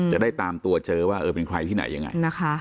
จะได้ตามตัวเจอว่าเออเป็นใครที่ไหนยังไงนะคะ